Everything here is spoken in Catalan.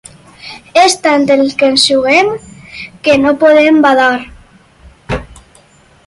És tant el que ens juguem que no podem badar.